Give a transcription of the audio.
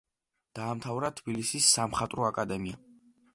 დაამთავრა თბილისის სამხატვრო აკადემია.